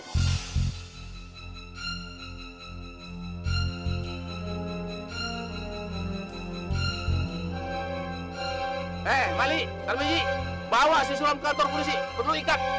eh mali pak gi bawa si sulam ke kantor polisi perlu ikat